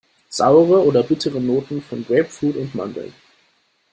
Saure oder bittere Noten von Grapefruit und Mandeln.